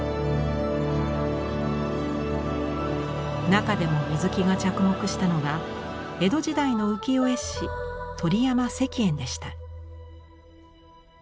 中でも水木が着目したのが江戸時代の浮世絵師鳥山石燕でした。